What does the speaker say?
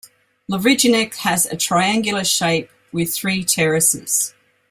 Lovrijenac has a triangular shape with three terraces.